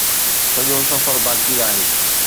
سڄو سفر باقي آهي